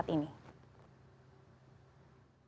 bagaimana perkembangan restrukturisasi bri hingga saat ini